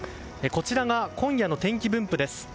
こちらが今夜の天気分布です。